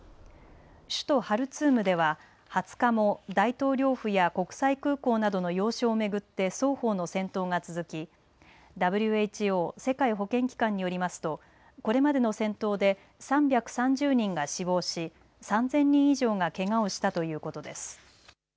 首都ハルツームでは２０日も大統領府や国際空港などの要所を巡って双方の戦闘が続きＷＨＯ世界保健機関によりますとこれまでの戦闘で３３０人が死亡し３０００人以上がけがをしたということです。